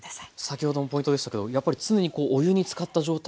先ほどもポイントでしたけどやっぱり常にお湯につかった状態を保つんですね。